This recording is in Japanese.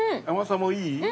甘さもいい？